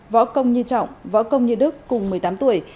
võ công như trọng võ công như đức cùng một mươi tám tuổi